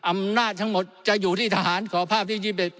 อำนาจทั้งหมดจะอยู่ที่ทหารขอภาพที่๒๑